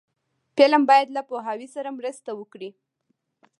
فلم باید له پوهاوي سره مرسته وکړي